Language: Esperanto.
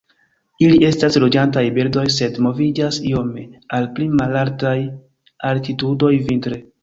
Ili estas loĝantaj birdoj, sed moviĝas iome al pli malaltaj altitudoj vintre.